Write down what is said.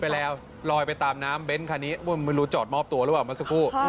ไปแล้วลอยไปตามน้ำเบ้นคันนี้ไม่รู้จอดมอบตัวหรือเปล่าเมื่อสักครู่